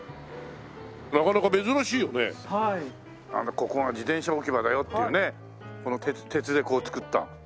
ここが自転車置き場だよっていうねこの鉄でこう作った。